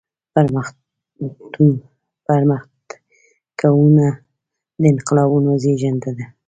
پرمختګونه د انقلابونو زيږنده دي.